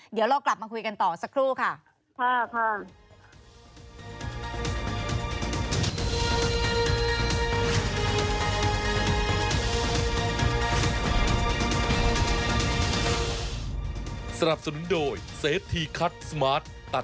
เดี๋ยวเรากลับมาคุยกันต่อสักครู่ค่ะ